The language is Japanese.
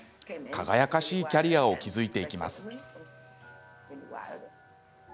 輝かしいキャリアを築いていきます。